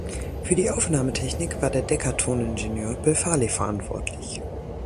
Für die Aufnahmetechnik war der Decca-Toningenieur Bill Farley verantwortlich.